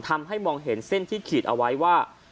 ทำให้มองเห็นเส้นที่ขีดเอาไว้ว่า